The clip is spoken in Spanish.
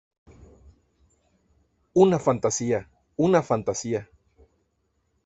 ¡ una fantasía! ¡ una fantasía !...